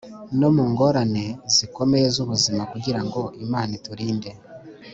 no mu ngorane zikomeye z’ubuzima kugira ngo imana iturinde